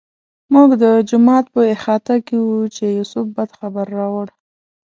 موږ د جومات په احاطه کې وو چې یوسف بد خبر راوړ.